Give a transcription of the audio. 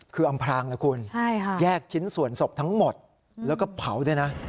คืออำพลางแล้วคุณแยกชิ้นส่วนศพทั้งหมดแล้วก็เผาด้วยนะ